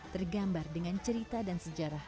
tergambar dengan cerita dan sejarah